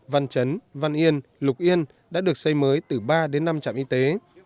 văn chấn văn yên lục yên đã được xây mới từ ba đến năm trạm y tế